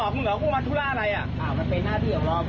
ผมไม่ได้เรื่องเยอะครับผมปฏิบัติตามหน้าที่ครับ